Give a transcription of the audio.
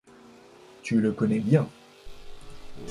Tu le connais bien.